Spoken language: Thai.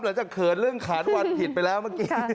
จะเขินเรื่องขานวันผิดไปแล้วเมื่อกี้